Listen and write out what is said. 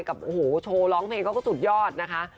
กับโอ้โหโชว์ร้องเพลงเขาก็สุดยอดนะคะ